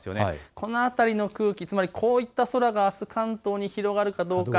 この辺りの空気、つまりこういった空があす関東に広がるかどうか。